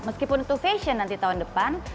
meskipun itu fashion nanti tahun depan